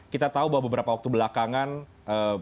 kemudian diperlukan oleh